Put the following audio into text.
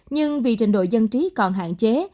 nhưng vì trình độ dân trí còn hạn chế